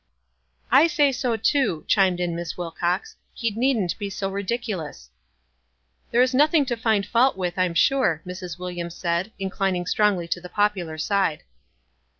"I say so, too," chimed in Miss Wilcox. "He needn't be so ridiculous/' "There is nothing to find fault with, I'm sure," Mrs. Williams said, inclining strongly tv the popular side.